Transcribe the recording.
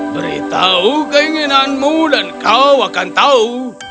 beritahu keinginanmu dan kau akan tahu